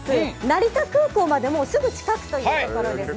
成田空港のすぐ近くというところです。